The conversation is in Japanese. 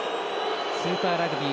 スーパーラグビー